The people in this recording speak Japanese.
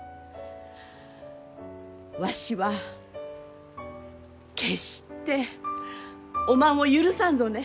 わしは決しておまんを許さんぞね。